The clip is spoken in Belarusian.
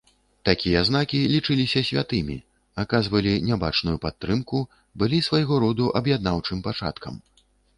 Такія знакі лічыліся святымі, аказвалі нябачную падтрымку, былі свайго роду аб'яднаўчым пачаткам.